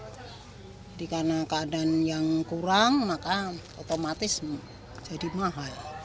karena keadaan yang kurang maka otomatis jadi mahal